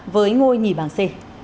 với ngôi nhì bảng c